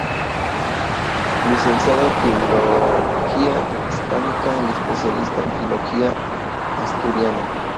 Licenciado en filología hispánica y especialista en filología asturiana.